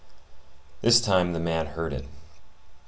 This time the man heard it.